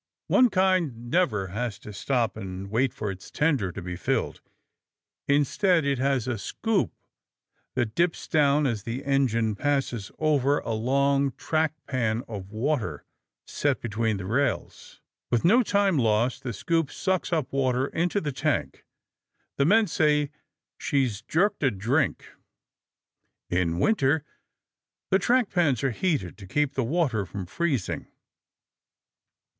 One kind never has to stop and wait for its tender to be filled. Instead it has a scoop that dips down as the engine passes over a long track pan of water set between the rails. With no time lost, the scoop sucks up water into the tank. The men say, "She's jerked a drink." In winter, the track pans are heated to keep the water from freezing.